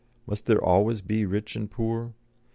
Must there always be rich and poor?'